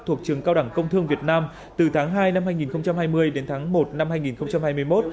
thuộc trường cao đẳng công thương việt nam từ tháng hai năm hai nghìn hai mươi đến tháng một năm hai nghìn hai mươi một